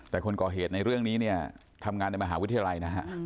แต่คนก่อเหตุในเรื่องนี้ทำงานในมหาวิทยาลัย